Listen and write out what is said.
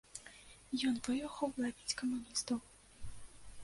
Ён выехаў лавіць камуністаў.